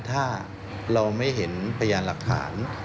ถ้าเราไม่เห็นพยานหลักฐาน